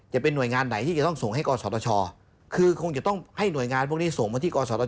จะเป็นหน่วยงานไหนที่จะต้องส่งให้กศธชคือคงจะต้องให้หน่วยงานพวกนี้ส่งมาที่กศธ